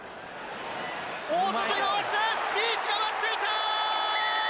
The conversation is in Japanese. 大外回して、リーチが待っていた！